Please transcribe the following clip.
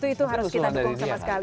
itu harus kita dukung sama sekali